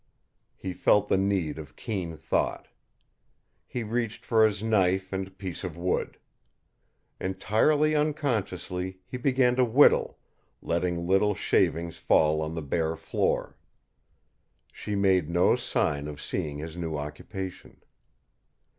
He felt the need of keen thought. He reached for his knife and piece of wood. Entirely unconsciously, he began to whittle, letting little shavings fall on the bare floor. She made no sign of seeing his new occupation.